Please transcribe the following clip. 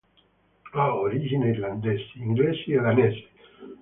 Ha origini irlandesi, inglesi e danesi.